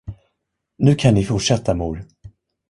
Nu kan ni fortsätta, mor.